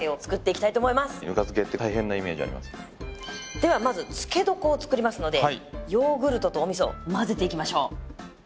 ではまず漬け床を作りますのでヨーグルトとお味噌混ぜていきましょう。